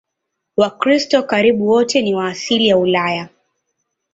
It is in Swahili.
Wakristo karibu wote ni wa asili ya Ulaya.